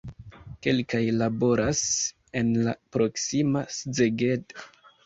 Kelkaj laboras en la proksima Szeged.